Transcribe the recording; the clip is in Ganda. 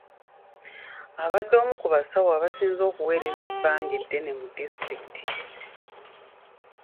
Abadde omu ku basawo abasinze okuweererezza ebbanga eddene mu disitulikiti.